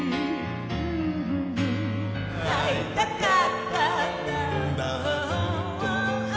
「あいたかったんだずっと」